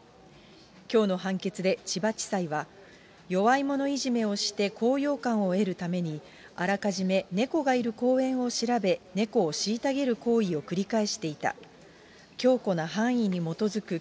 きょうの判決で千葉地裁は、弱いものいじめをして高揚感を得るために、あらかじめ猫がいる公園を猫を虐げる行為を繰り返していた。